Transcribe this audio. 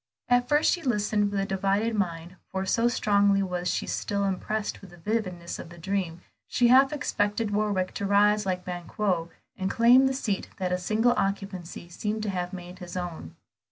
At first, she listened with a divided mind, for so strongly was she still impressed with the vividness of the dream, she half expected Warwick to rise like Banquo, and claim the seat that a single occupancy seemed to have made his own.